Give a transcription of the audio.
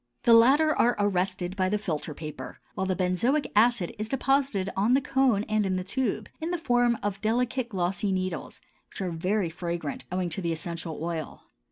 The latter are arrested by the filter paper, while the benzoic acid is deposited on the cone and in the tube, in the form of delicate glossy needles which are very fragrant owing to the essential oil.